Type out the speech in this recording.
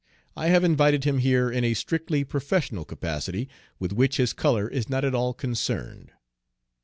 I have invited him here in a strictly professional capacity, with which his color is not at all concerned."